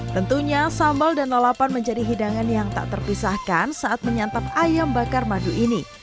tentunya sambal dan lalapan menjadi hidangan yang tak terpisahkan saat menyantap ayam bakar madu ini